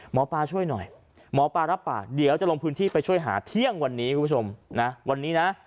หมอปลาช่วยหน่อยหมอปลารับปากเดี๋ยวจะลงพื้นที่ไปช่วยหาเที่ยงวันนี้คุณผู้ชมนะวันนี้นะ